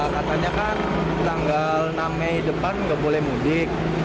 katanya kan tanggal enam mei depan nggak boleh mudik